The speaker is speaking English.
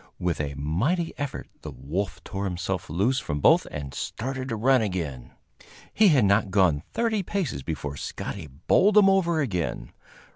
With a mighty effort the wolf tore himself loose from both and started to run again. He had not gone thirty paces before Scotty bowled him over again.